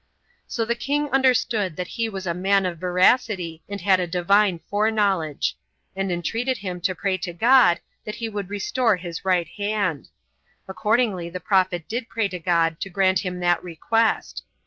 So the king understood that he was a man of veracity, and had a Divine foreknowledge; and entreated him to pray to God that he would restore his right hand. Accordingly the prophet did pray to God to grant him that request.